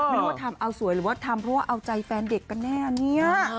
ไม่รู้ว่าทำเอาสวยหรือว่าทำเพราะว่าเอาใจแฟนเด็กกันแน่เนี่ย